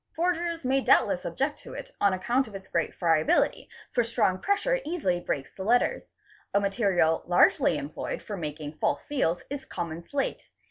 Forgers may doubtless object to it on account of its great friability, for strong pres sure easily breaks the letters. A material largely employed for making false seals is common slate.